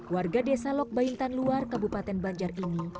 warga desa lok bain tanluar kabupaten banjar ini